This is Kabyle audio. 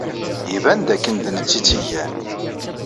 Iban dakken d netta ay tt-igan.